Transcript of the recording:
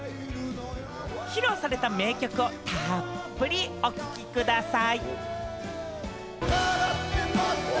披露された名曲をたっぷりお聴きください。